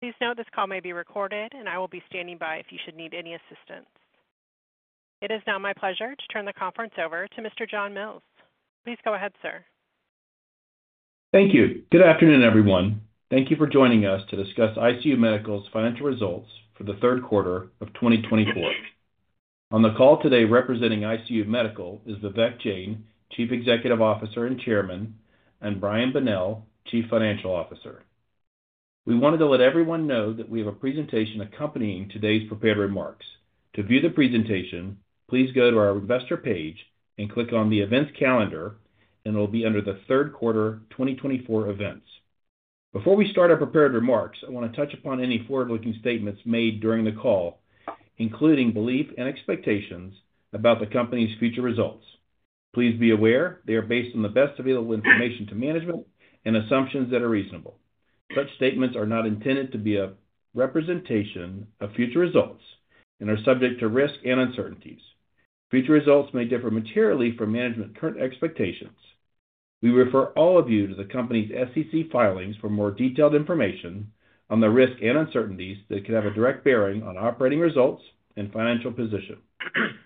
Please note this call may be recorded, and I will be standing by if you should need any assistance. It is now my pleasure to turn the conference over to Mr. John Mills. Please go ahead, sir. Thank you. Good afternoon, everyone. Thank you for joining us to discuss ICU Medical's financial results for the third quarter of 2024. On the call today representing ICU Medical is Vivek Jain, Chief Executive Officer and Chairman, and Brian Bonnell, Chief Financial Officer. We wanted to let everyone know that we have a presentation accompanying today's prepared remarks. To view the presentation, please go to our investor page and click on the events calendar, and it will be under the third quarter 2024 events. Before we start our prepared remarks, I want to touch upon any forward-looking statements made during the call, including beliefs and expectations about the company's future results. Please be aware they are based on the best available information to management and assumptions that are reasonable. Such statements are not intended to be a representation of future results and are subject to risk and uncertainties. Future results may differ materially from management's current expectations. We refer all of you to the company's SEC filings for more detailed information on the risks and uncertainties that could have a direct bearing on operating results and financial position.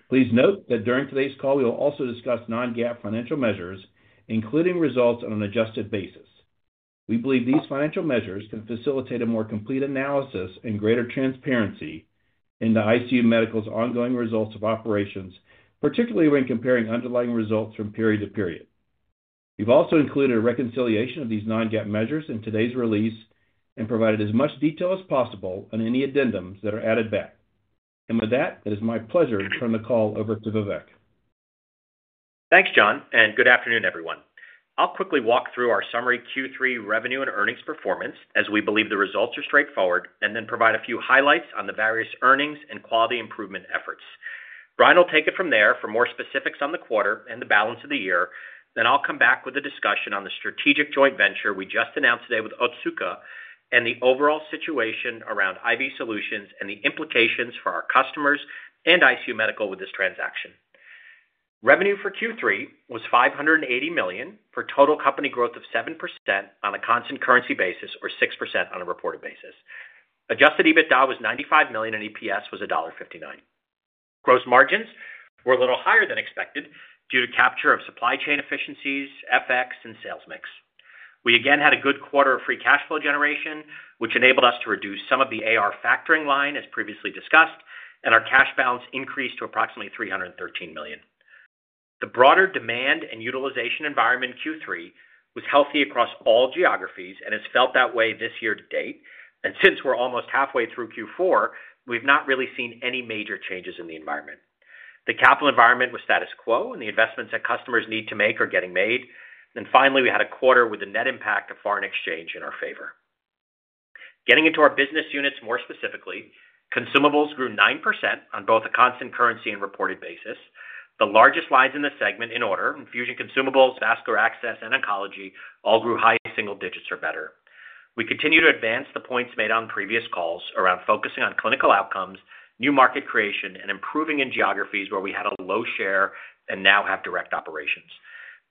Please note that during today's call, we will also discuss non-GAAP financial measures, including results on an adjusted basis. We believe these financial measures can facilitate a more complete analysis and greater transparency into ICU Medical's ongoing results of operations, particularly when comparing underlying results from period to period. We've also included a reconciliation of these non-GAAP measures in today's release and provided as much detail as possible on any addendums that are added back. And with that, it is my pleasure to turn the call over to Vivek. Thanks, John, and good afternoon, everyone. I'll quickly walk through our summary Q3 revenue and earnings performance as we believe the results are straightforward, and then provide a few highlights on the various earnings and quality improvement efforts. Brian will take it from there for more specifics on the quarter and the balance of the year, then I'll come back with a discussion on the strategic joint venture we just announced today with Otsuka and the overall situation around IV solutions and the implications for our customers and ICU Medical with this transaction. Revenue for Q3 was $580 million for total company growth of 7% on a constant currency basis or 6% on a reported basis. Adjusted EBITDA was $95 million, and EPS was $1.59. Gross margins were a little higher than expected due to capture of supply chain efficiencies, FX, and sales mix. We again had a good quarter of free cash flow generation, which enabled us to reduce some of the AR factoring line, as previously discussed, and our cash balance increased to approximately $313 million. The broader demand and utilization environment, Q3 was healthy across all geographies and has felt that way this year to date. And since we're almost halfway through Q4, we've not really seen any major changes in the environment. The capital environment was status quo, and the investments that customers need to make are getting made. And finally, we had a quarter with a net impact of foreign exchange in our favor. Getting into our business units more specifically, consumables grew 9% on both a constant currency and reported basis. The largest lines in the segment in order, infusion consumables, vascular access, and oncology, all grew high single digits or better. We continue to advance the points made on previous calls around focusing on clinical outcomes, new market creation, and improving in geographies where we had a low share and now have direct operations,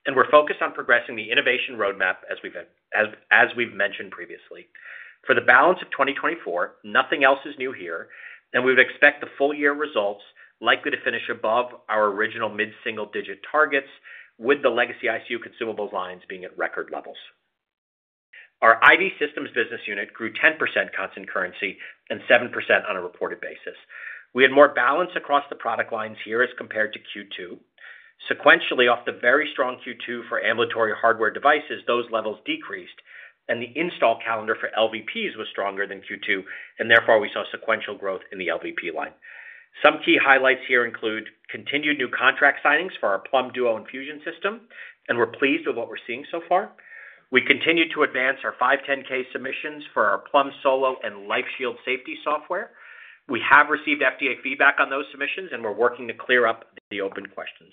and we're focused on progressing the innovation roadmap, as we've mentioned previously. For the balance of 2024, nothing else is new here, and we would expect the full year results likely to finish above our original mid-single digit targets, with the legacy ICU consumables lines being at record levels. Our IV systems business unit grew 10% constant currency and 7% on a reported basis. We had more balance across the product lines here as compared to Q2. Sequentially, off the very strong Q2 for ambulatory hardware devices, those levels decreased, and the install calendar for LVPs was stronger than Q2, and therefore we saw sequential growth in the LVP line. Some key highlights here include continued new contract signings for our Plum Duo infusion system, and we're pleased with what we're seeing so far. We continue to advance our 510(k) submissions for our Plum Solo and LifeShield safety software. We have received FDA feedback on those submissions, and we're working to clear up the open questions.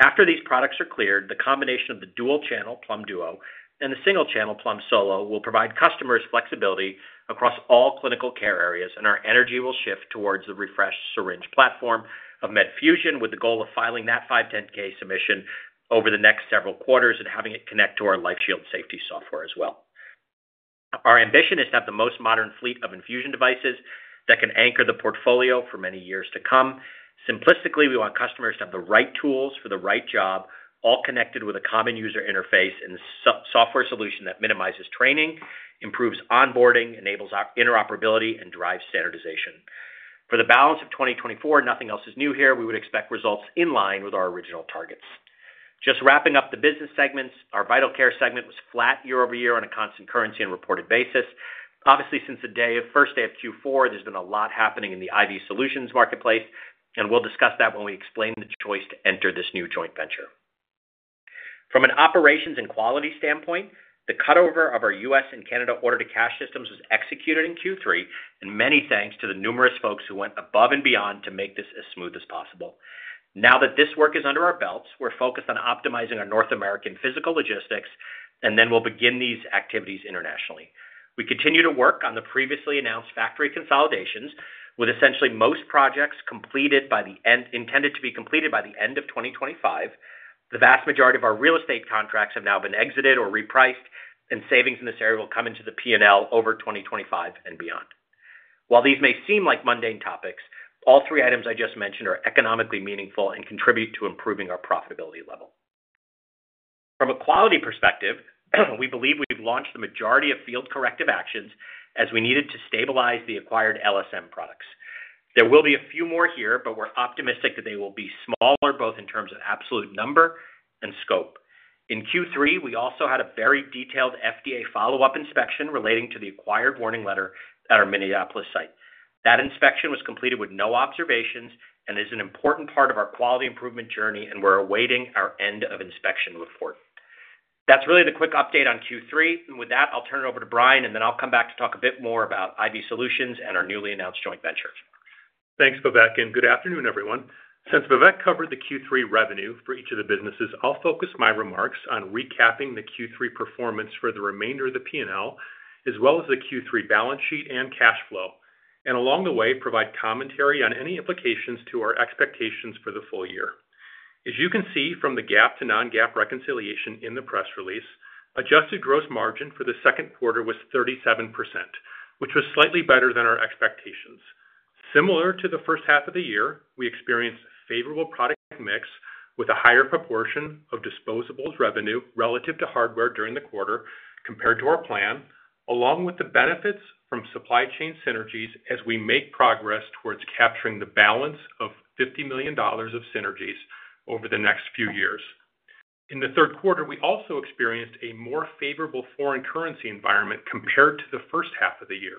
After these products are cleared, the combination of the dual channel Plum Duo and the single channel Plum Solo will provide customers flexibility across all clinical care areas, and our energy will shift towards the refreshed syringe platform of Medfusion with the goal of filing that 510(k) submission over the next several quarters and having it connect to our LifeShield safety software as well. Our ambition is to have the most modern fleet of infusion devices that can anchor the portfolio for many years to come. Simplistically, we want customers to have the right tools for the right job, all connected with a common user interface and software solution that minimizes training, improves onboarding, enables interoperability, and drives standardization. For the balance of 2024, nothing else is new here. We would expect results in line with our original targets. Just wrapping up the business segments, our Vital Care segment was flat year-over-year on a constant currency and reported basis. Obviously, since the first day of Q4, there's been a lot happening in the IV solutions marketplace, and we'll discuss that when we explain the choice to enter this new joint venture. From an operations and quality standpoint, the cutover of our U.S. and Canada order-to-cash systems was executed in Q3, and many thanks to the numerous folks who went above and beyond to make this as smooth as possible. Now that this work is under our belts, we're focused on optimizing our North American physical logistics, and then we'll begin these activities internationally. We continue to work on the previously announced factory consolidations, with essentially most projects intended to be completed by the end of 2025. The vast majority of our real estate contracts have now been exited or repriced, and savings in this area will come into the P&L over 2025 and beyond. While these may seem like mundane topics, all three items I just mentioned are economically meaningful and contribute to improving our profitability level. From a quality perspective, we believe we've launched the majority of field corrective actions as we needed to stabilize the acquired LSM products. There will be a few more here, but we're optimistic that they will be smaller, both in terms of absolute number and scope. In Q3, we also had a very detailed FDA follow-up inspection relating to the acquired warning letter at our Minneapolis site. That inspection was completed with no observations and is an important part of our quality improvement journey, and we're awaiting our end of inspection report. That's really the quick update on Q3, and with that, I'll turn it over to Brian, and then I'll come back to talk a bit more about IV solutions and our newly announced joint venture. Thanks, Vivek, and good afternoon, everyone. Since Vivek covered the Q3 revenue for each of the businesses, I'll focus my remarks on recapping the Q3 performance for the remainder of the P&L, as well as the Q3 balance sheet and cash flow, and along the way, provide commentary on any implications to our expectations for the full year. As you can see from the GAAP to non-GAAP reconciliation in the press release, adjusted gross margin for the second quarter was 37%, which was slightly better than our expectations. Similar to the first half of the year, we experienced a favorable product mix with a higher proportion of disposables revenue relative to hardware during the quarter compared to our plan, along with the benefits from supply chain synergies as we make progress towards capturing the balance of $50 million of synergies over the next few years. In the third quarter, we also experienced a more favorable foreign currency environment compared to the first half of the year,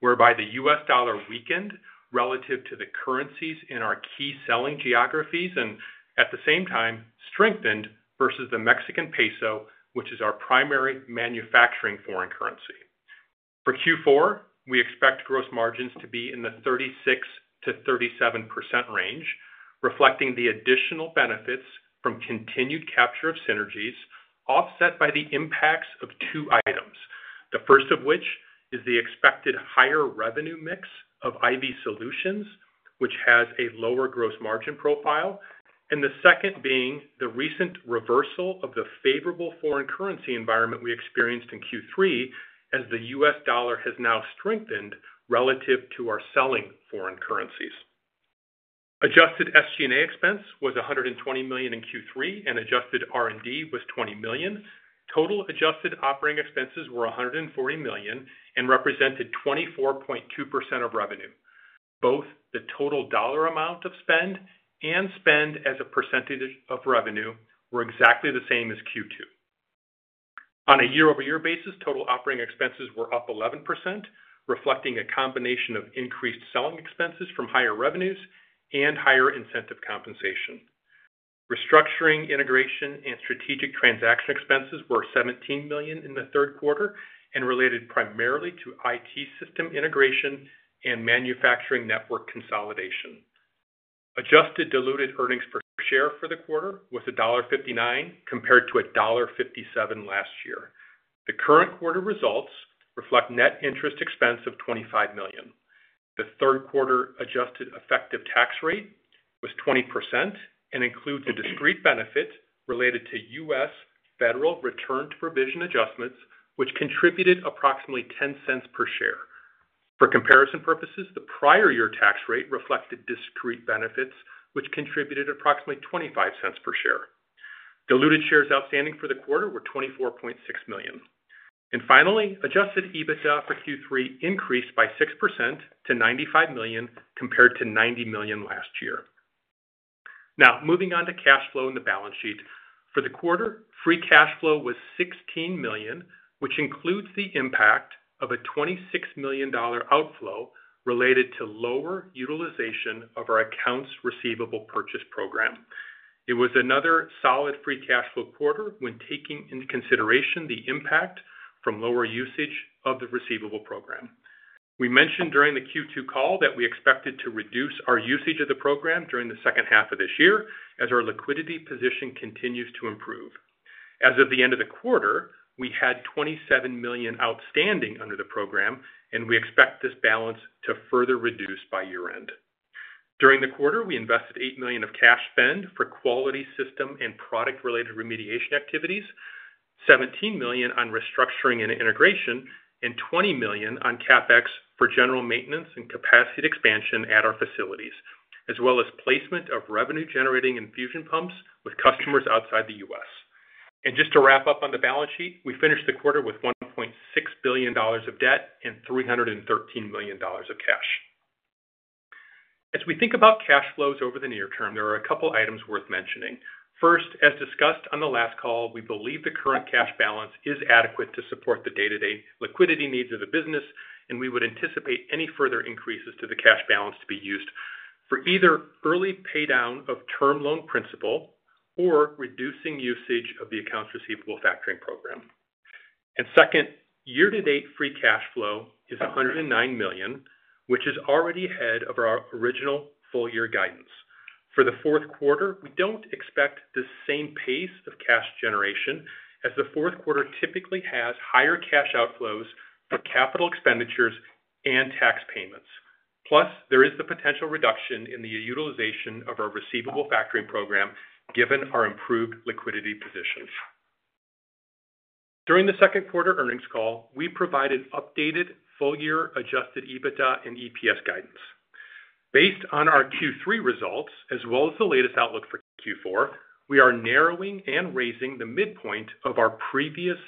whereby the U.S. dollar weakened relative to the currencies in our key selling geographies and, at the same time, strengthened versus the Mexican peso, which is our primary manufacturing foreign currency. For Q4, we expect gross margins to be in the 36%-37% range, reflecting the additional benefits from continued capture of synergies, offset by the impacts of two items, the first of which is the expected higher revenue mix of IV solutions, which has a lower gross margin profile, and the second being the recent reversal of the favorable foreign currency environment we experienced in Q3 as the U.S. dollar has now strengthened relative to our selling foreign currencies. Adjusted SG&A expense was $120 million in Q3, and adjusted R&D was $20 million. Total adjusted operating expenses were $140 million and represented 24.2% of revenue. Both the total dollar amount of spend and spend as a percentage of revenue were exactly the same as Q2. On a year-over-year basis, total operating expenses were up 11%, reflecting a combination of increased selling expenses from higher revenues and higher incentive compensation. Restructuring, integration, and strategic transaction expenses were $17 million in the third quarter and related primarily to IT system integration and manufacturing network consolidation. Adjusted diluted earnings per share for the quarter was $1.59 compared to $1.57 last year. The current quarter results reflect net interest expense of $25 million. The third quarter adjusted effective tax rate was 20% and includes a discrete benefit related to U.S. federal return to provision adjustments, which contributed approximately $0.10 per share. For comparison purposes, the prior year tax rate reflected discrete benefits, which contributed approximately $0.25 per share. Diluted shares outstanding for the quarter were 24.6 million. And finally, Adjusted EBITDA for Q3 increased by 6% to $95 million compared to $90 million last year. Now, moving on to cash flow and the balance sheet. For the quarter, free cash flow was $16 million, which includes the impact of a $26 million outflow related to lower utilization of our accounts receivable purchase program. It was another solid free cash flow quarter when taking into consideration the impact from lower usage of the receivable program. We mentioned during the Q2 call that we expected to reduce our usage of the program during the second half of this year as our liquidity position continues to improve. As of the end of the quarter, we had $27 million outstanding under the program, and we expect this balance to further reduce by year-end. During the quarter, we invested $8 million of cash spend for quality system and product-related remediation activities, $17 million on restructuring and integration, and $20 million on CapEx for general maintenance and capacity expansion at our facilities, as well as placement of revenue-generating infusion pumps with customers outside the U.S. And just to wrap up on the balance sheet, we finished the quarter with $1.6 billion of debt and $313 million of cash. As we think about cash flows over the near term, there are a couple of items worth mentioning. First, as discussed on the last call, we believe the current cash balance is adequate to support the day-to-day liquidity needs of the business, and we would anticipate any further increases to the cash balance to be used for either early paydown of term loan principal or reducing usage of the accounts receivable factoring program, and second, year-to-date free cash flow is $109 million, which is already ahead of our original full-year guidance. For the fourth quarter, we don't expect the same pace of cash generation, as the fourth quarter typically has higher cash outflows for capital expenditures and tax payments. Plus, there is the potential reduction in the utilization of our receivable factoring program given our improved liquidity positions. During the second quarter earnings call, we provided updated full-year adjusted EBITDA and EPS guidance. Based on our Q3 results, as well as the latest outlook for Q4, we are narrowing and raising the midpoint of our previously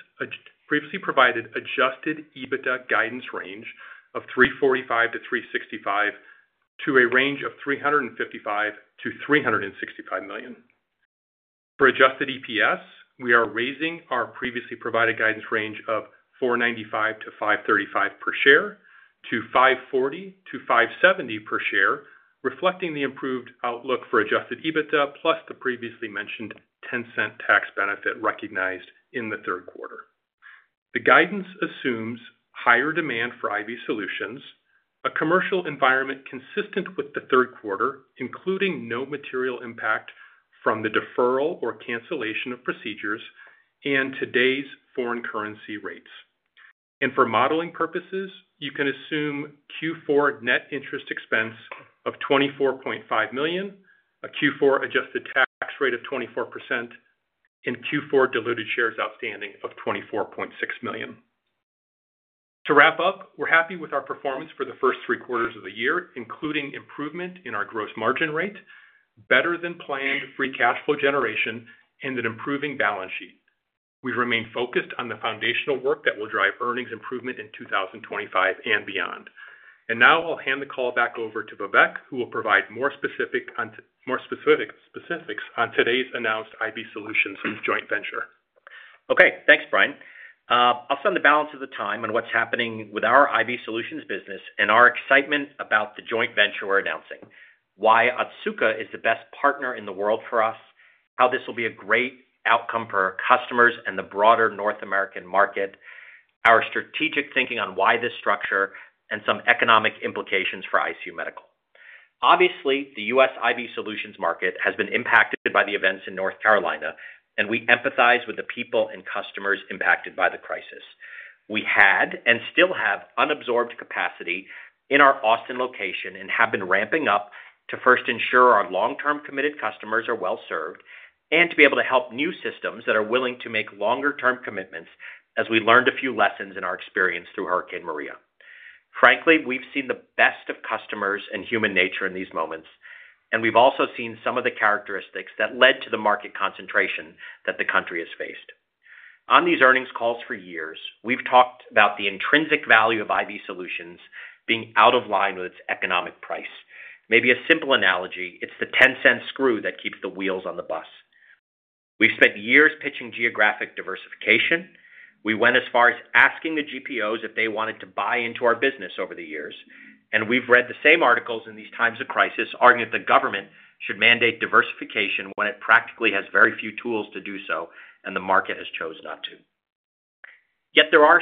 provided adjusted EBITDA guidance range of $345 million-$365 million to a range of $355 million-$365 million. For adjusted EPS, we are raising our previously provided guidance range of $495 million-$535 million per share to $540 million-$570 million per share, reflecting the improved outlook for adjusted EBITDA plus the previously mentioned $0.10 tax benefit recognized in the third quarter. The guidance assumes higher demand for IV solutions, a commercial environment consistent with the third quarter, including no material impact from the deferral or cancellation of procedures, and today's foreign currency rates, and for modeling purposes, you can assume Q4 net interest expense of $24.5 million, a Q4 adjusted tax rate of 24%, and Q4 diluted shares outstanding of 24.6 million. To wrap up, we're happy with our performance for the first three quarters of the year, including improvement in our gross margin rate, better-than-planned free cash flow generation, and an improving balance sheet. We've remained focused on the foundational work that will drive earnings improvement in 2025 and beyond. And now I'll hand the call back over to Vivek, who will provide more specifics on today's announced IV solutions joint venture. Okay, thanks, Brian. I'll spend the balance of the time on what's happening with our IV solutions business and our excitement about the joint venture we're announcing, why Otsuka is the best partner in the world for us, how this will be a great outcome for our customers and the broader North American market, our strategic thinking on why this structure, and some economic implications for ICU Medical. Obviously, the U.S. IV solutions market has been impacted by the events in North Carolina, and we empathize with the people and customers impacted by the crisis. We had and still have unabsorbed capacity in our Austin location and have been ramping up to first ensure our long-term committed customers are well served and to be able to help new systems that are willing to make longer-term commitments as we learned a few lessons in our experience through Hurricane Maria. Frankly, we've seen the best of customers and human nature in these moments, and we've also seen some of the characteristics that led to the market concentration that the country has faced. On these earnings calls for years, we've talked about the intrinsic value of IV solutions being out of line with its economic price. Maybe a simple analogy, it's the $0.10 screw that keeps the wheels on the bus. We've spent years pitching geographic diversification. We went as far as asking the GPOs if they wanted to buy into our business over the years, and we've read the same articles in these times of crisis arguing that the government should mandate diversification when it practically has very few tools to do so, and the market has chosen not to. Yet there are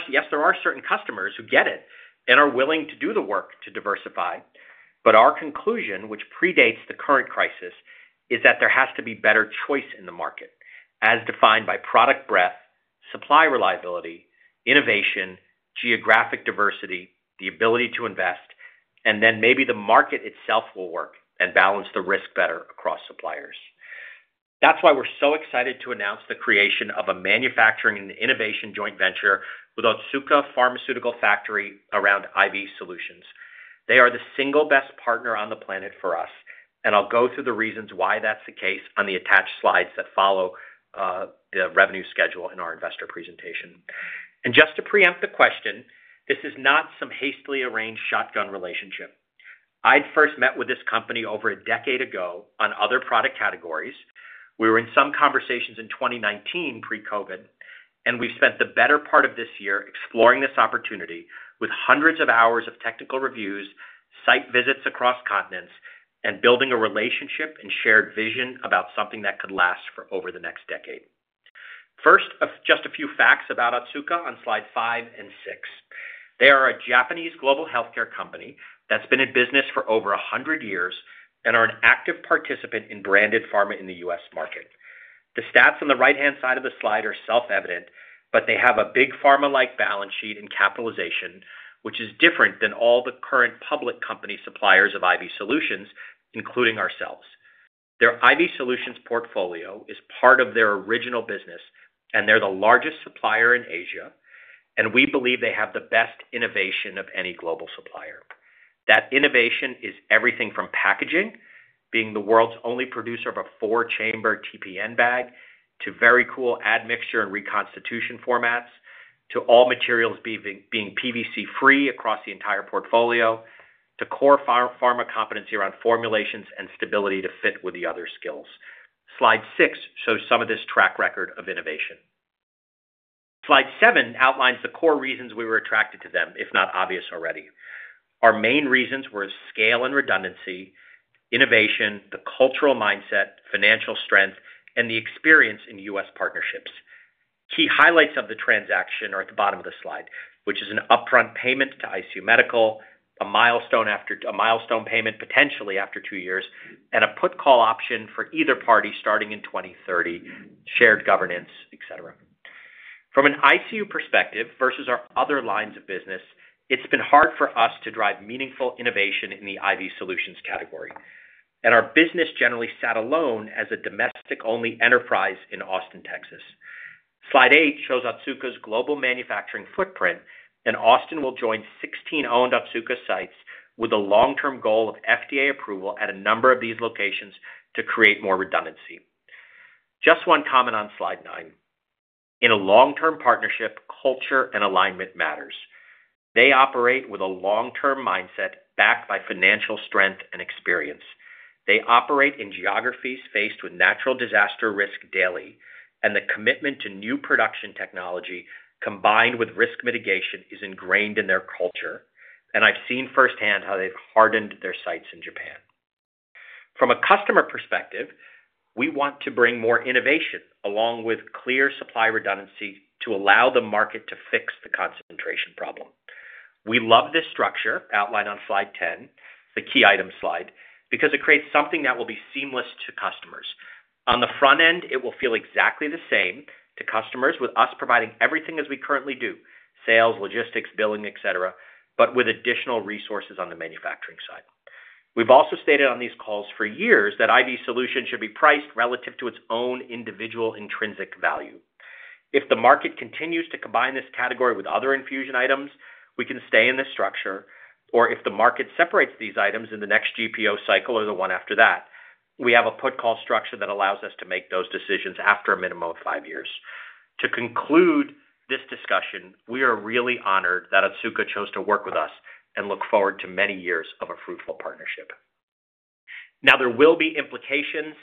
certain customers who get it and are willing to do the work to diversify, but our conclusion, which predates the current crisis, is that there has to be better choice in the market, as defined by product breadth, supply reliability, innovation, geographic diversity, the ability to invest, and then maybe the market itself will work and balance the risk better across suppliers. That's why we're so excited to announce the creation of a manufacturing and innovation joint venture with Otsuka Pharmaceutical Factory around IV solutions. They are the single best partner on the planet for us, and I'll go through the reasons why that's the case on the attached slides that follow the revenue schedule in our investor presentation. And just to preempt the question, this is not some hastily arranged shotgun relationship. I'd first met with this company over a decade ago on other product categories. We were in some conversations in 2019, pre-COVID, and we've spent the better part of this year exploring this opportunity with hundreds of hours of technical reviews, site visits across continents, and building a relationship and shared vision about something that could last for over the next decade. First, just a few facts about Otsuka on Slide 5 and 6. They are a Japanese global healthcare company that's been in business for over 100 years and are an active participant in branded pharma in the U.S. market. The stats on the right-hand side of the slide are self-evident, but they have a big pharma-like balance sheet and capitalization, which is different than all the current public company suppliers of IV solutions, including ourselves. Their IV solutions portfolio is part of their original business, and they're the largest supplier in Asia, and we believe they have the best innovation of any global supplier. That innovation is everything from packaging, being the world's only producer of a four-chamber TPN bag, to very cool admixture and reconstitution formats, to all materials being PVC-free across the entire portfolio, to core pharma competency around formulations and stability to fit with the other skills. Slide 6 shows some of this track record of innovation. Slide 7 outlines the core reasons we were attracted to them, if not obvious already. Our main reasons were scale and redundancy, innovation, the cultural mindset, financial strength, and the experience in U.S. partnerships. Key highlights of the transaction are at the bottom of the slide, which is an upfront payment to ICU Medical, a milestone payment potentially after two years, and a put-call option for either party starting in 2030, shared governance, etc. From an ICU perspective versus our other lines of business, it's been hard for us to drive meaningful innovation in the IV solutions category, and our business generally sat alone as a domestic-only enterprise in Austin, Texas. Slide eight shows Otsuka's global manufacturing footprint, and Austin will join 16 owned Otsuka sites with a long-term goal of FDA approval at a number of these locations to create more redundancy. Just one comment on Slide 9. In a long-term partnership, culture and alignment matters. They operate with a long-term mindset backed by financial strength and experience. They operate in geographies faced with natural disaster risk daily, and the commitment to new production technology combined with risk mitigation is ingrained in their culture, and I've seen firsthand how they've hardened their sites in Japan. From a customer perspective, we want to bring more innovation along with clear supply redundancy to allow the market to fix the concentration problem. We love this structure outlined on Slide 10, the key item slide, because it creates something that will be seamless to customers. On the front end, it will feel exactly the same to customers with us providing everything as we currently do, sales, logistics, billing, etc., but with additional resources on the manufacturing side. We've also stated on these calls for years that IV solutions should be priced relative to its own individual intrinsic value. If the market continues to combine this category with other infusion items, we can stay in this structure, or if the market separates these items in the next GPO cycle or the one after that, we have a put-call structure that allows us to make those decisions after a minimum of five years. To conclude this discussion, we are really honored that Otsuka chose to work with us and look forward to many years of a fruitful partnership. Now, there will be implications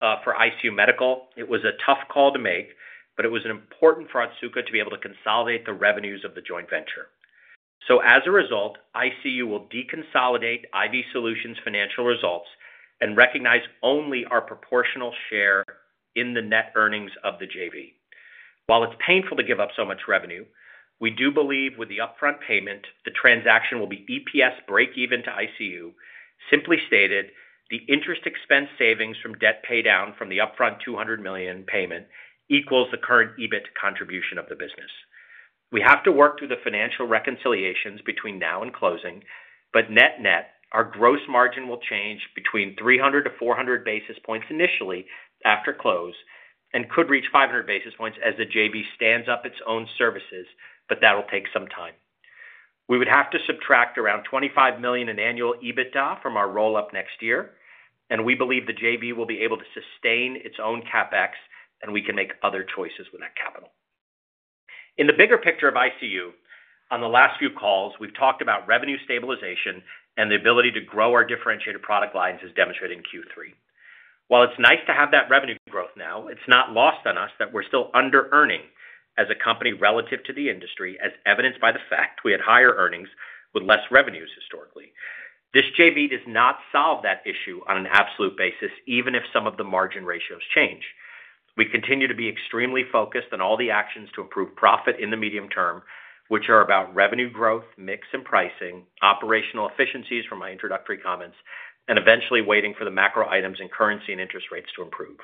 for ICU Medical. It was a tough call to make, but it was important for Otsuka to be able to consolidate the revenues of the joint venture. So, as a result, ICU will deconsolidate IV solutions financial results and recognize only our proportional share in the net earnings of the JV. While it's painful to give up so much revenue, we do believe with the upfront payment, the transaction will be EPS break-even to ICU. Simply stated, the interest expense savings from debt paydown from the upfront $200 million payment equals the current EBIT contribution of the business. We have to work through the financial reconciliations between now and closing, but net-net, our gross margin will change between 300 basis points-400 basis points initially after close and could reach 500 basis points as the JV stands up its own services, but that'll take some time. We would have to subtract around $25 million in annual EBITDA from our roll-up next year, and we believe the JV will be able to sustain its own CapEx, and we can make other choices with that capital. In the bigger picture of ICU, on the last few calls, we've talked about revenue stabilization and the ability to grow our differentiated product lines as demonstrated in Q3. While it's nice to have that revenue growth now, it's not lost on us that we're still under-earning as a company relative to the industry, as evidenced by the fact we had higher earnings with less revenues historically. This JV does not solve that issue on an absolute basis, even if some of the margin ratios change. We continue to be extremely focused on all the actions to improve profit in the medium term, which are about revenue growth, mix and pricing, operational efficiencies from my introductory comments, and eventually waiting for the macro items and currency and interest rates to improve.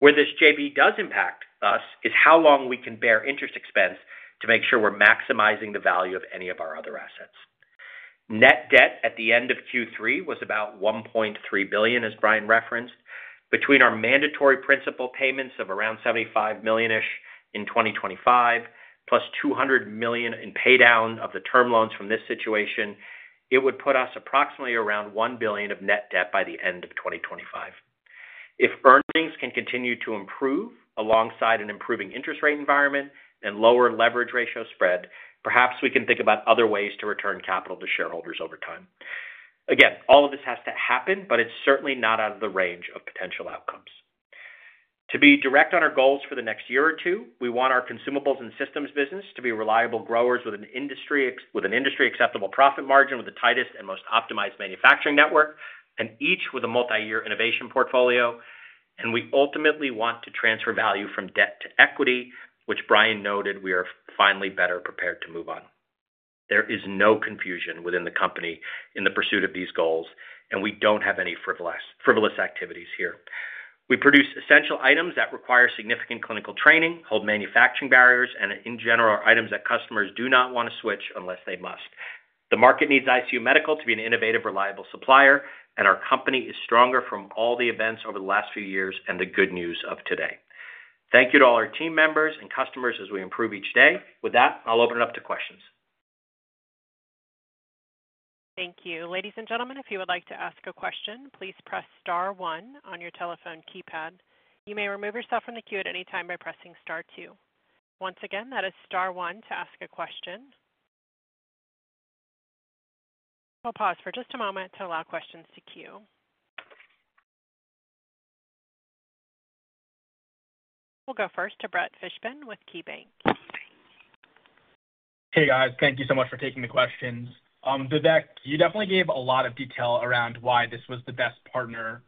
Where this JV does impact us is how long we can bear interest expense to make sure we're maximizing the value of any of our other assets. Net debt at the end of Q3 was about $1.3 billion, as Brian referenced. Between our mandatory principal payments of around $75 million-ish in 2025, plus $200 million in paydown of the term loans from this situation, it would put us approximately around $1 billion of net debt by the end of 2025. If earnings can continue to improve alongside an improving interest rate environment and lower leverage ratio spread, perhaps we can think about other ways to return capital to shareholders over time. Again, all of this has to happen, but it's certainly not out of the range of potential outcomes. To be direct on our goals for the next year or two, we want our consumables and systems business to be reliable growers with an industry-acceptable profit margin with the tightest and most optimized manufacturing network, and each with a multi-year innovation portfolio, and we ultimately want to transfer value from debt to equity, which Brian noted we are finally better prepared to move on. There is no confusion within the company in the pursuit of these goals, and we don't have any frivolous activities here. We produce essential items that require significant clinical training, high manufacturing barriers, and in general, are items that customers do not want to switch unless they must. The market needs ICU Medical to be an innovative, reliable supplier, and our company is stronger from all the events over the last few years and the good news of today. Thank you to all our team members and customers as we improve each day. With that, I'll open it up to questions. Thank you. Ladies and gentlemen, if you would like to ask a question, please press Star 1 on your telephone keypad. You may remove yourself from the queue at any time by pressing star two. Once again, that is star one to ask a question. We'll pause for just a moment to allow questions to queue. We'll go first to Brett Fishbin with KeyBanc. Hey, guys. Thank you so much for taking the questions. Vivek, you definitely gave a lot of detail around why this was the best partner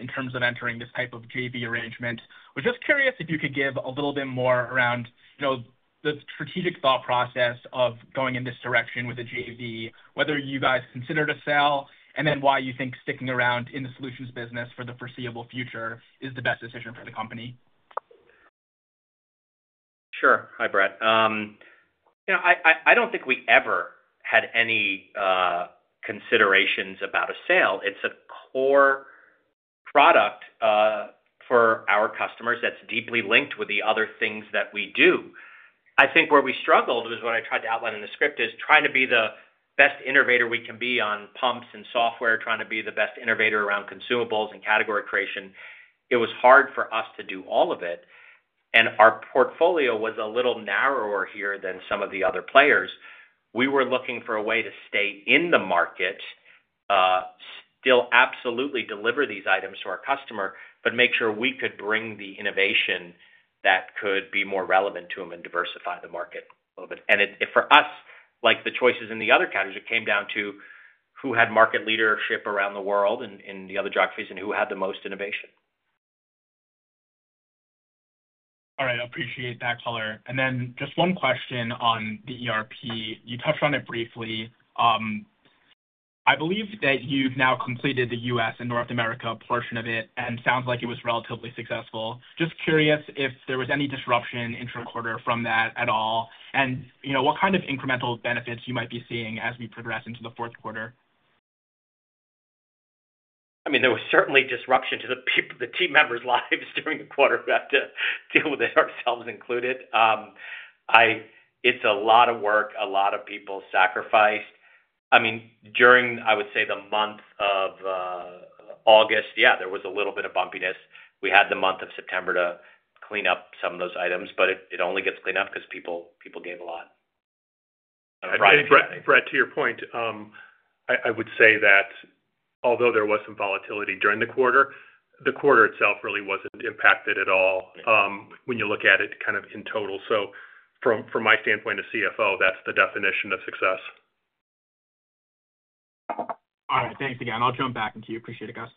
in terms of entering this type of JV arrangement. We're just curious if you could give a little bit more around the strategic thought process of going in this direction with a JV, whether you guys considered a sell, and then why you think sticking around in the solutions business for the foreseeable future is the best decision for the company. Sure. Hi, Brett. I don't think we ever had any considerations about a sale. It's a core product for our customers that's deeply linked with the other things that we do. I think where we struggled, which is what I tried to outline in the script, is trying to be the best innovator we can be on pumps and software, trying to be the best innovator around consumables and category creation. It was hard for us to do all of it, and our portfolio was a little narrower here than some of the other players. We were looking for a way to stay in the market, still absolutely deliver these items to our customer, but make sure we could bring the innovation that could be more relevant to them and diversify the market a little bit. For us, like the choices in the other categories, it came down to who had market leadership around the world in the other geographies and who had the most innovation. All right. I appreciate that, color. And then just one question on the ERP. You touched on it briefly. I believe that you've now completed the U.S. and North America portion of it, and it sounds like it was relatively successful. Just curious if there was any disruption in fourth quarter from that at all, and what kind of incremental benefits you might be seeing as we progress into fourth quarter. I mean, there was certainly disruption to the team members' lives during the quarter we had to deal with it, ourselves included. It's a lot of work. A lot of people sacrificed. I mean, during, I would say, the month of August, yeah, there was a little bit of bumpiness. We had the month of September to clean up some of those items, but it only gets cleaned up because people gave a lot. And Brett, to your point, I would say that although there was some volatility during the quarter, the quarter itself really wasn't impacted at all when you look at it kind of in total. So from my standpoint as CFO, that's the definition of success. All right. Thanks again. I'll jump back to you. Appreciate it, guys.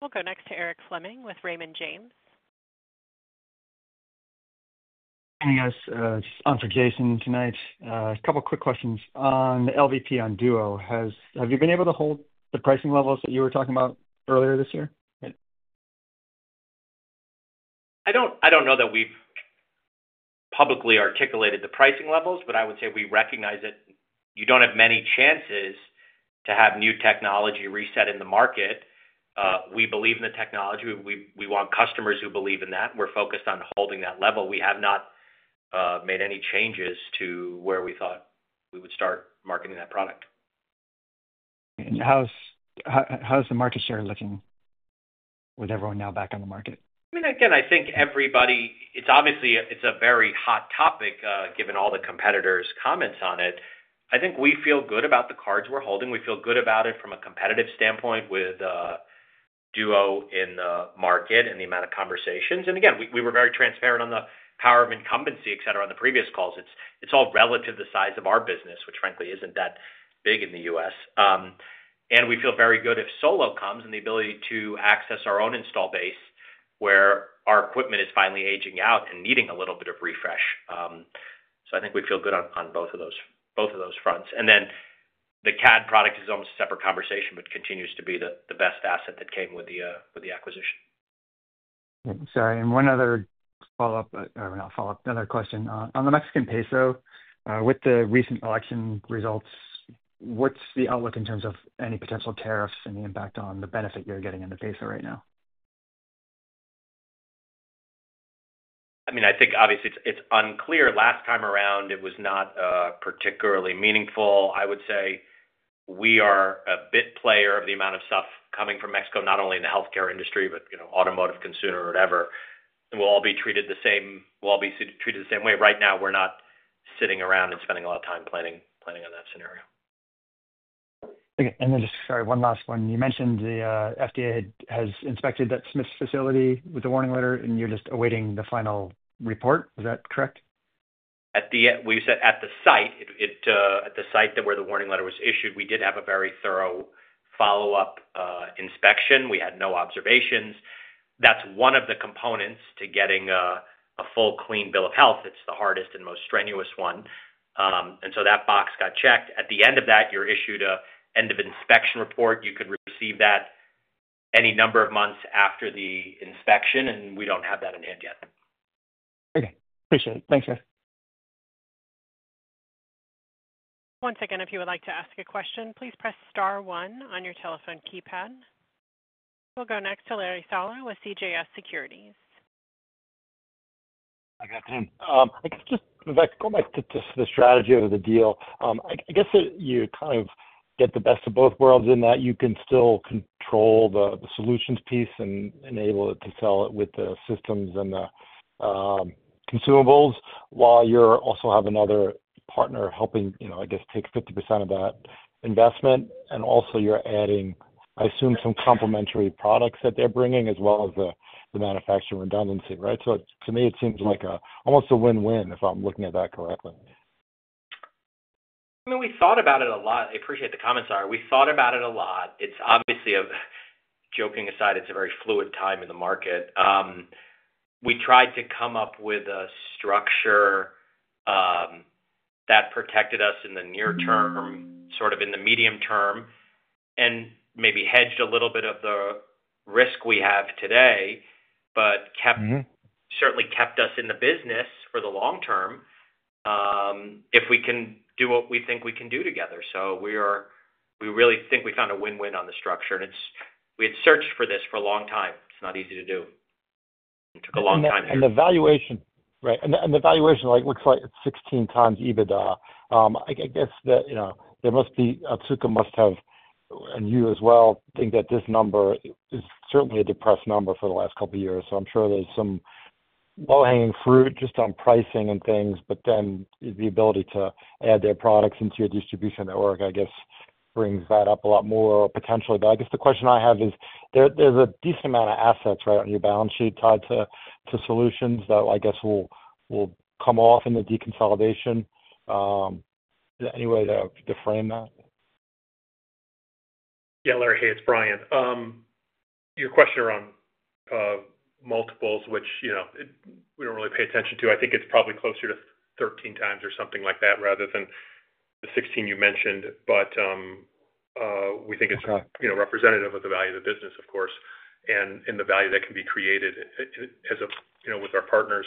We'll go next to Eric Fleming with Raymond James. Hey, guys. It's on for Jayson tonight. A couple of quick questions. On LVP on Duo, have you been able to hold the pricing levels that you were talking about earlier this year? I don't know that we've publicly articulated the pricing levels, but I would say we recognize that you don't have many chances to have new technology reset in the market. We believe in the technology. We want customers who believe in that. We're focused on holding that level. We have not made any changes to where we thought we would start marketing that product. How's the market share looking with everyone now back on the market? I mean, again, I think everybody, it's obviously a very hot topic given all the competitors' comments on it. I think we feel good about the cards we're holding. We feel good about it from a competitive standpoint with Duo in the market and the amount of conversations. And again, we were very transparent on the power of incumbency, etc., on the previous calls. It's all relative to the size of our business, which frankly isn't that big in the U.S. And we feel very good if Solo comes and the ability to access our own installed base where our equipment is finally aging out and needing a little bit of refresh. So I think we feel good on both of those fronts. And then the CADD product is almost a separate conversation, but continues to be the best asset that came with the acquisition. Sorry. One other follow-up, or not follow-up, another question. On the Mexican peso, with the recent election results, what's the outlook in terms of any potential tariffs and the impact on the benefit you're getting in the peso right now? I mean, I think obviously it's unclear. Last time around, it was not particularly meaningful. I would say we are a bit player of the amount of stuff coming from Mexico, not only in the healthcare industry, but automotive consumer or whatever. It will all be treated the same, we'll all be treated the same way. Right now, we're not sitting around and spending a lot of time planning on that scenario. Okay. And then just, sorry, one last one. You mentioned the FDA has inspected that Smiths facility with a warning letter, and you're just awaiting the final report. Is that correct? We said at the site, at the site where the warning letter was issued, we did have a very thorough follow-up inspection. We had no observations. That's one of the components to getting a full clean bill of health. It's the hardest and most strenuous one. And so that box got checked. At the end of that, you're issued an end-of-inspection report. You could receive that any number of months after the inspection, and we don't have that in hand yet. Okay. Appreciate it. Thanks, guys. Once again, if you would like to ask a question, please press star one on your telephone keypad. We'll go next to Larry Solow with CJS Securities. Good afternoon. I guess just going back to the strategy of the deal, I guess that you kind of get the best of both worlds in that you can still control the solutions piece and enable it to sell it with the systems and the consumables while you also have another partner helping, I guess, take 50% of that investment. And also, you're adding, I assume, some complementary products that they're bringing as well as the manufacturing redundancy, right? So to me, it seems like almost a win-win if I'm looking at that correctly. I mean, we thought about it a lot. I appreciate the comments, sir. We thought about it a lot. Obviously, joking aside, it's a very fluid time in the market. We tried to come up with a structure that protected us in the near term, sort of in the medium term, and maybe hedged a little bit of the risk we have today, but certainly kept us in the business for the long term if we can do what we think we can do together. So we really think we found a win-win on the structure. And we had searched for this for a long time. It's not easy to do. It took a long time to do. And the valuation, right? And the valuation looks like it's 16x EBITDA. I guess that there must be Otsuka must have, and you as well, think that this number is certainly a depressed number for the last couple of years. So I'm sure there's some low-hanging fruit just on pricing and things, but then the ability to add their products into your distribution network, I guess, brings that up a lot more potentially. But I guess the question I have is there's a decent amount of assets right on your balance sheet tied to solutions that I guess will come off in the deconsolidation. Any way to frame that? Yeah, Larry. Hey, it's Brian. Your question around multiples, which we don't really pay attention to. I think it's probably closer to 13x or something like that rather than the 16x you mentioned. But we think it's representative of the value of the business, of course, and the value that can be created with our partners.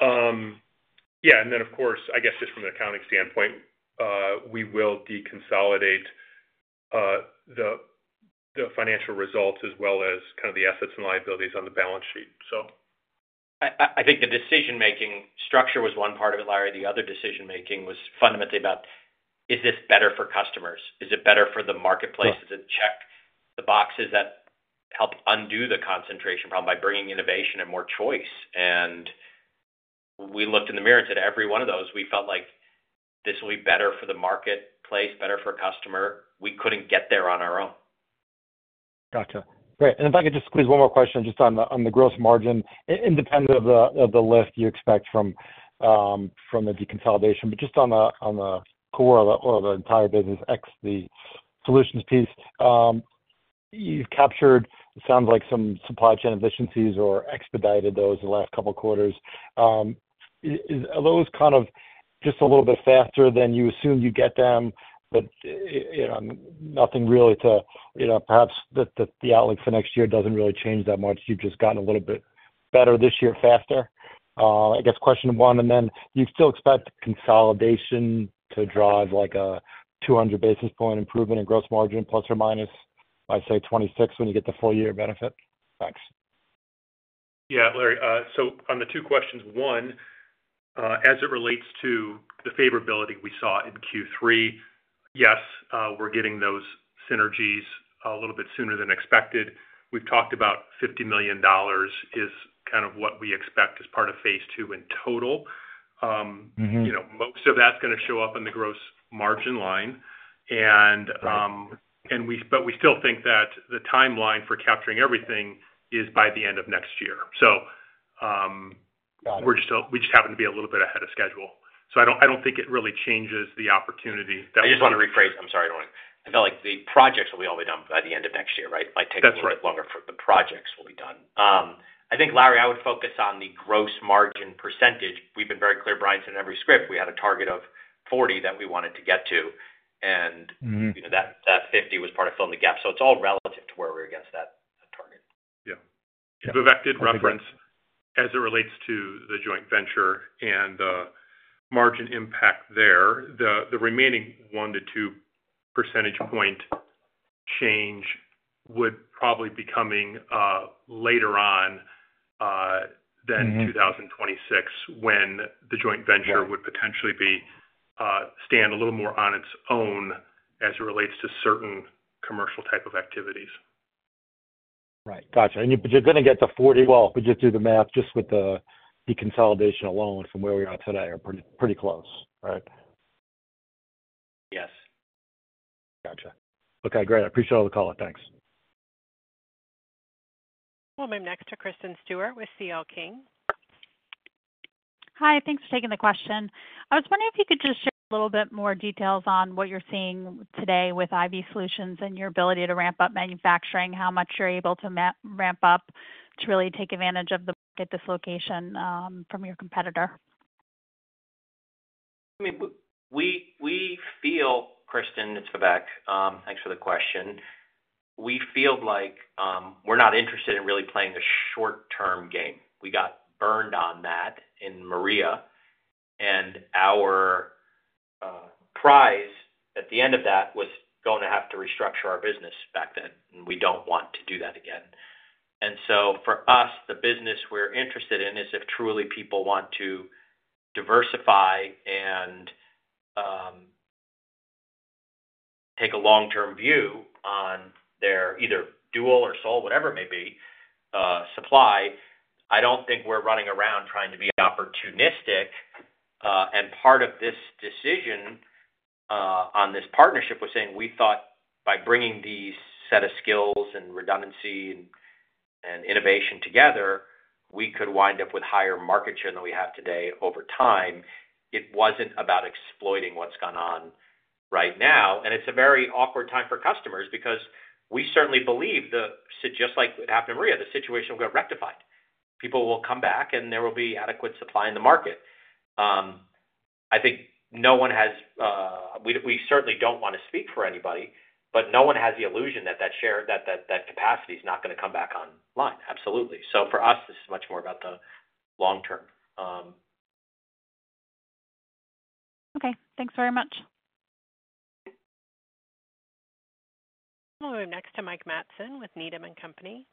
Yeah. And then, of course, I guess just from the accounting standpoint, we will deconsolidate the financial results as well as kind of the assets and liabilities on the balance sheet, so. I think the decision-making structure was one part of it, Larry. The other decision-making was fundamentally about, is this better for customers? Is it better for the marketplace? Does it check the boxes that help undo the concentration problem by bringing innovation and more choice? And we looked in the mirror and said, every one of those, we felt like this will be better for the marketplace, better for a customer. We couldn't get there on our own. Gotcha. Great. And if I could just squeeze one more question just on the gross margin, independent of the lift you expect from the deconsolidation, but just on the core of the entire business, ex the solutions piece, you've captured, it sounds like, some supply chain efficiencies or expedited those in the last couple of quarters. Are those kind of just a little bit faster than you assumed you'd get them, but nothing really to perhaps the outlook for next year doesn't really change that much. You've just gotten a little bit better this year, faster. I guess question one, and then do you still expect consolidation to drive like a 200 basis points improvement in gross margin, plus or minus, I'd say 2026 when you get the full year benefit? Thanks. Yeah, Larry. So on the two questions, one, as it relates to the favorability we saw in Q3, yes, we're getting those synergies a little bit sooner than expected. We've talked about $50 million is kind of what we expect as part of phase two in total. Most of that's going to show up on the gross margin line. But we still think that the timeline for capturing everything is by the end of next year. So we just happen to be a little bit ahead of schedule. So I don't think it really changes the opportunity that we have. I just want to rephrase. I'm sorry. I felt like the projects will be all done by the end of next year, right? It might take a little bit longer for the projects to be done. I think, Larry, I would focus on the gross margin percentage. We've been very clear, Brian, since every script. We had a target of 40 that we wanted to get to, and that 50 was part of filling the gap, so it's all relative to where we're against that target. Yeah. Vivek did reference, as it relates to the joint venture and the margin impact there, the remaining one to two percentage point change would probably be coming later on than 2026 when the joint venture would potentially stand a little more on its own as it relates to certain commercial type of activities. Right. Gotcha. But you're going to get the 40, well, if we just do the math, just with the deconsolidation alone from where we are today, we're pretty close, right? Yes. Gotcha. Okay. Great. I appreciate all the calls. Thanks. We'll move next to Kristen Stewart with C.L. King. Hi. Thanks for taking the question. I was wondering if you could just share a little bit more details on what you're seeing today with IV Solutions and your ability to ramp up manufacturing, how much you're able to ramp up to really take advantage of the market dislocation from your competitor? I mean, we feel, Kristen, it's Vivek. Thanks for the question. We feel like we're not interested in really playing a short-term game. We got burned on that in Maria. And our price at the end of that was going to have to restructure our business back then. And we don't want to do that again. And so for us, the business we're interested in is if truly people want to diversify and take a long-term view on their either dual or sole, whatever it may be, supply. I don't think we're running around trying to be opportunistic. And part of this decision on this partnership was saying we thought by bringing the set of skills and redundancy and innovation together, we could wind up with higher market share than we have today over time. It wasn't about exploiting what's gone on right now. It's a very awkward time for customers because we certainly believe that just like what happened in Maria, the situation will get rectified. People will come back, and there will be adequate supply in the market. I think no one has - we certainly don't want to speak for anybody - but no one has the illusion that that capacity is not going to come back online. Absolutely. For us, this is much more about the long term. Okay. Thanks very much. We'll move next to Mike Matson with Needham & Company.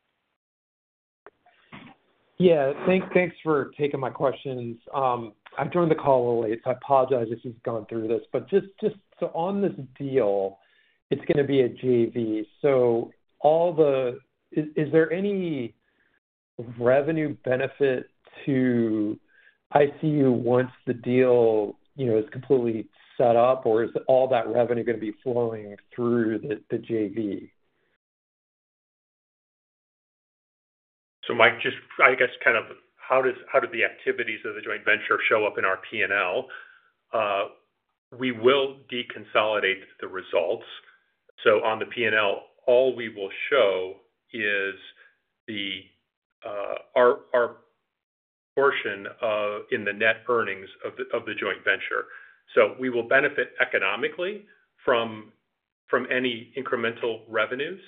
Yeah. Thanks for taking my questions. I joined the call a little late. So I apologize if you've gone through this. But just so on this deal, it's going to be a JV. So is there any revenue benefit to ICU once the deal is completely set up, or is all that revenue going to be flowing through the JV? So Mike, just I guess kind of how do the activities of the joint venture show up in our P&L? We will deconsolidate the results. So on the P&L, all we will show is our portion in the net earnings of the joint venture. So we will benefit economically from any incremental revenues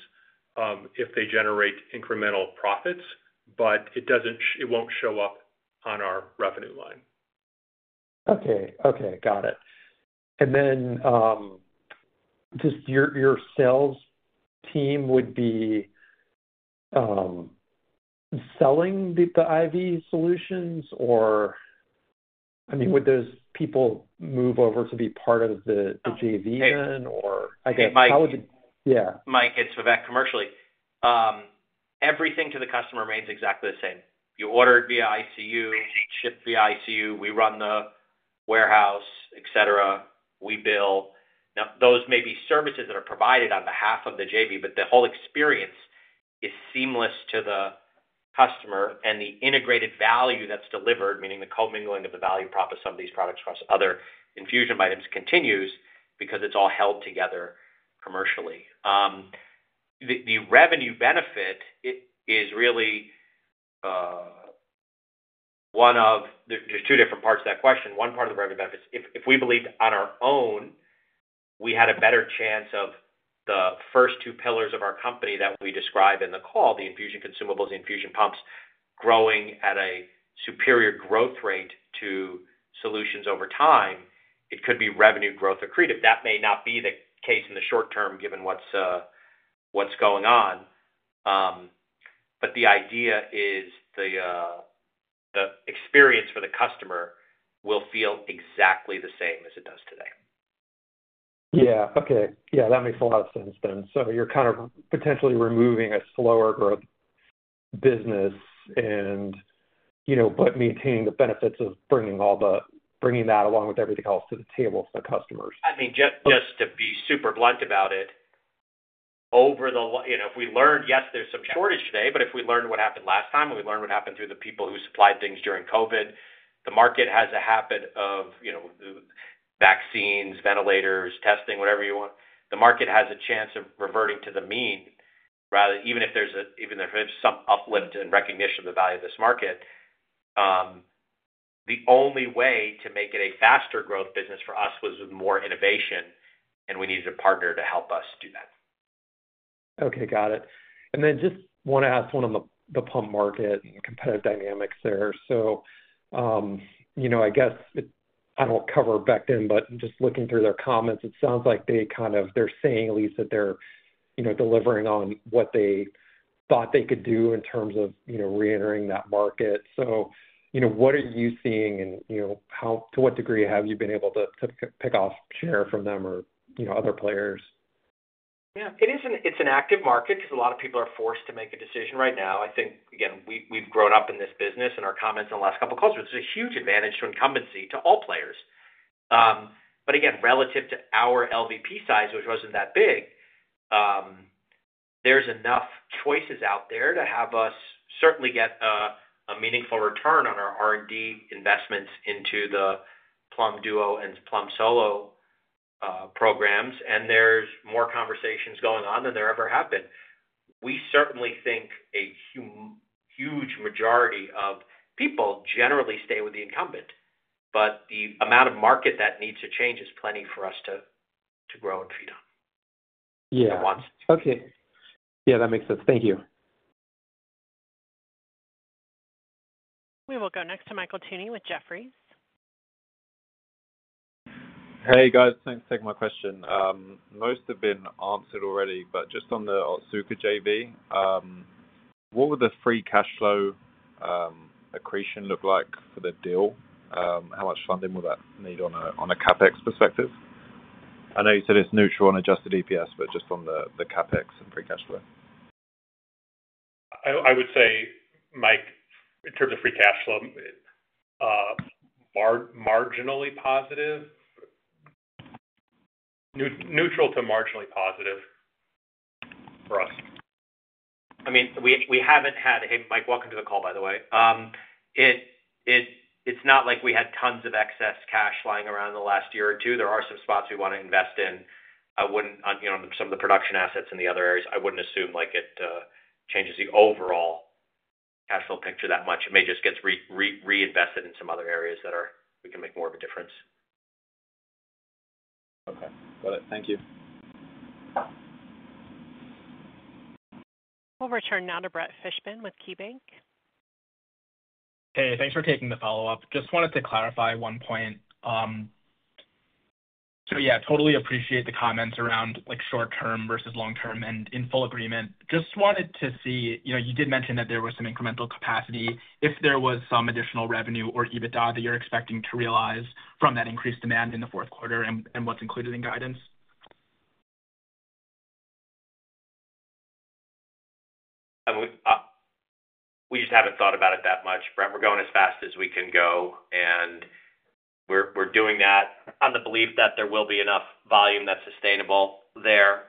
if they generate incremental profits, but it won't show up on our revenue line. Okay. Okay. Got it. And then just your sales team would be selling the IV solutions, or I mean, would those people move over to be part of the JV then, or I guess how would the—yeah. Mike, it's Vivek commercially. Everything to the customer remains exactly the same. You order it via ICU, ship via ICU, we run the warehouse, etc. We bill. Now, those may be services that are provided on behalf of the JV, but the whole experience is seamless to the customer, and the integrated value that's delivered, meaning the co-mingling of the value proposition of some of these products across other infusion items, continues because it's all held together commercially. The revenue benefit is really one of. There's two different parts to that question. One part of the revenue benefits, if we believed on our own, we had a better chance of the first two pillars of our company that we describe in the call, the infusion consumables, the infusion pumps, growing at a superior growth rate to solutions over time, it could be revenue growth accretive. That may not be the case in the short term given what's going on, but the idea is the experience for the customer will feel exactly the same as it does today. That makes a lot of sense then. So you're kind of potentially removing a slower growth business but maintaining the benefits of bringing that along with everything else to the table for the customers. I mean, just to be super blunt about it, if we learned, yes, there's some shortage today, but if we learned what happened last time, and we learned what happened through the people who supplied things during COVID, the market has a habit of vaccines, ventilators, testing, whatever you want. The market has a chance of reverting to the mean, even if there's some uplift and recognition of the value of this market. The only way to make it a faster growth business for us was with more innovation, and we needed a partner to help us do that. Okay. Got it. And then just want to ask one on the pump market and competitive dynamics there. So I guess I don't cover Becton, but just looking through their comments, it sounds like they kind of—they're saying at least that they're delivering on what they thought they could do in terms of reentering that market. So what are you seeing, and to what degree have you been able to pick off share from them or other players? Yeah. It's an active market because a lot of people are forced to make a decision right now. I think, again, we've grown up in this business, and our comments in the last couple of calls were there's a huge advantage to incumbency to all players. But again, relative to our LVP size, which wasn't that big, there's enough choices out there to have us certainly get a meaningful return on our R&D investments into the Plum Duo and Plum Solo programs. And there's more conversations going on than there ever have been. We certainly think a huge majority of people generally stay with the incumbent. But the amount of market that needs to change is plenty for us to grow and feed on at once. Yeah. Okay. Yeah. That makes sense. Thank you. We will go next to Michael Toomey with Jefferies. Hey, guys. Thanks for taking my question. Most have been answered already, but just on the Otsuka JV, what would the free cash flow accretion look like for the deal? How much funding will that need on a CapEx perspective? I know you said it's neutral on adjusted EPS, but just on the CapEx and free cash flow. I would say, Mike, in terms of free cash flow, marginally positive. Neutral to marginally positive for us. I mean, we haven't had. Hey, Mike, welcome to the call, by the way. It's not like we had tons of excess cash lying around the last year or two. There are some spots we want to invest in. I wouldn't. Some of the production assets in the other areas, I wouldn't assume it changes the overall cash flow picture that much. It may just get reinvested in some other areas that we can make more of a difference. Okay. Got it. Thank you. We'll return now to Brett Fishbin with KeyBanc. Hey, thanks for taking the follow-up. Just wanted to clarify one point. So yeah, totally appreciate the comments around short-term versus long-term, and in full agreement. Just wanted to see, you did mention that there was some incremental capacity. If there was some additional revenue or EBITDA that you're expecting to realize from that increased demand in the fourth quarter and what's included in guidance? We just haven't thought about it that much. We're going as fast as we can go. We're doing that on the belief that there will be enough volume that's sustainable there.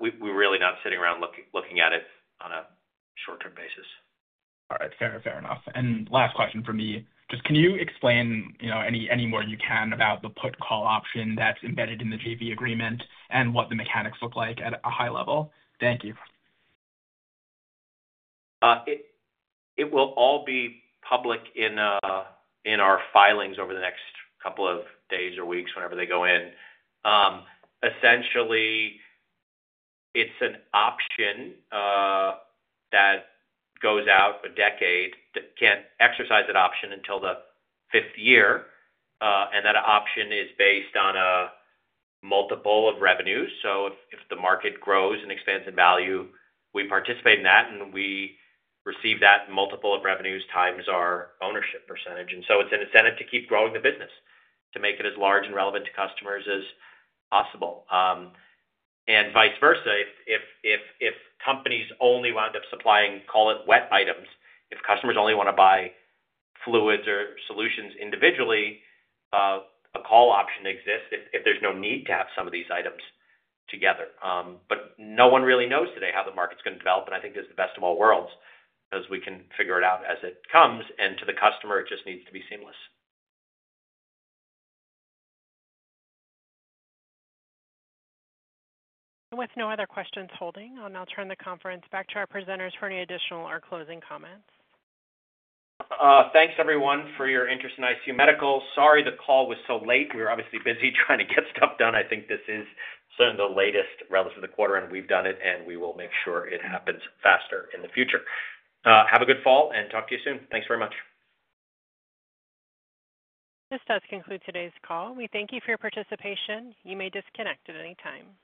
We're really not sitting around looking at it on a short-term basis. All right. Fair enough. And last question for me. Just can you explain any more you can about the put-call option that's embedded in the JV agreement and what the mechanics look like at a high level? Thank you. It will all be public in our filings over the next couple of days or weeks whenever they go in. Essentially, it's an option that goes out a decade. Can't exercise that option until the fifth year, and that option is based on a multiple of revenue, so if the market grows and expands in value, we participate in that, and we receive that multiple of revenues times our ownership percentage, and so it's an incentive to keep growing the business, to make it as large and relevant to customers as possible. And vice versa, if companies only wound up supplying, call it, wet items, if customers only want to buy fluids or solutions individually, a call option exists if there's no need to have some of these items together, but no one really knows today how the market's going to develop. I think this is the best of all worlds because we can figure it out as it comes. To the customer, it just needs to be seamless. With no other questions holding, I'll now turn the conference back to our presenters for any additional or closing comments. Thanks, everyone, for your interest in ICU Medical. Sorry the call was so late. We were obviously busy trying to get stuff done. I think this is certainly the latest relative to the quarter, and we've done it, and we will make sure it happens faster in the future. Have a good fall and talk to you soon. Thanks very much. This does conclude today's call. We thank you for your participation. You may disconnect at any time.